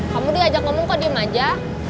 kamu diajak ngomong kok diem aja